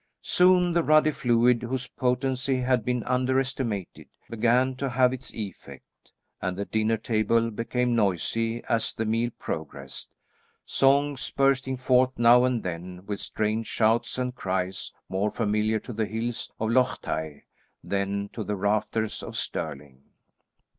Soon the ruddy fluid, whose potency had been under estimated, began to have its effect, and the dinner table became noisy as the meal progressed, songs bursting forth now and then, with strange shouts and cries more familiar to the hills of Loch Tay than to the rafters of Stirling.